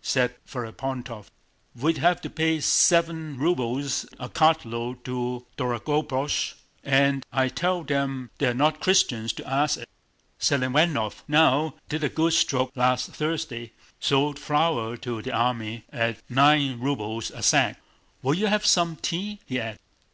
said Ferapóntov. "We'd have to pay seven rubles a cartload to Dorogobúzh and I tell them they're not Christians to ask it! Selivánov, now, did a good stroke last Thursday—sold flour to the army at nine rubles a sack. Will you have some tea?" he added.